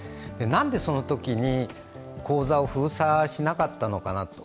なんでそのときに口座を封鎖しなかったのかなと。